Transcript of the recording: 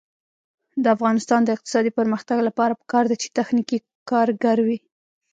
د افغانستان د اقتصادي پرمختګ لپاره پکار ده چې تخنیکي کارګر وي.